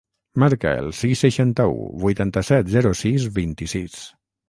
Marca el sis, seixanta-u, vuitanta-set, zero, sis, vint-i-sis.